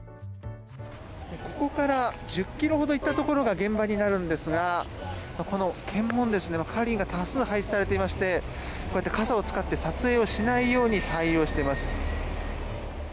ここから１０ｋｍほど行ったところが現場になりますがこの検問、係員が多数配置されていまして傘を使って撮影をしないように対応しています。